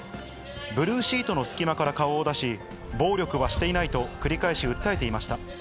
ブルーシートの隙間から顔を出し、暴力はしていないと繰り返し訴えていました。